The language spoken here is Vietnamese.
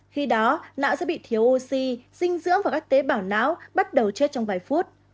khi đó não sẽ bị thiếu oxy dinh dưỡng và các tế bào não bắt đầu chết trong vài phút